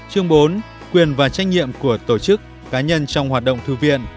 chương bốn quyền và trách nhiệm của tổ chức cá nhân trong hoạt động thư viện